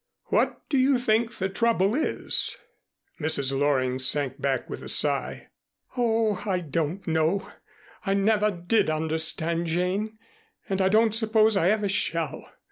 What do you think the trouble is?" Mrs. Loring sank back with a sigh. "Oh, I don't know. I never did understand Jane, and I don't suppose I ever shall.